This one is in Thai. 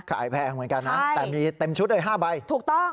แพงเหมือนกันนะแต่มีเต็มชุดเลย๕ใบถูกต้อง